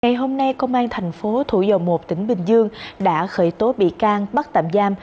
ngày hôm nay công an thành phố thủ dầu một tỉnh bình dương đã khởi tố bị can bắt tạm giam